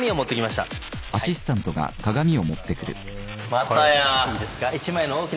またや。